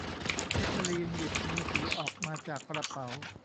เคทลีนหยิบมือถือออกมาจากกระเป๋า